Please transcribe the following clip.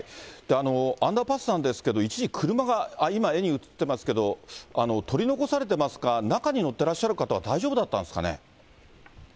アンダーパスなんですけれども、一時、車が、今、絵に写ってますけど、取り残されてますか、中に乗ってらっしゃる方は大丈夫だったんですかね。